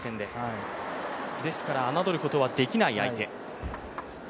ですから、あなどることはできない相手。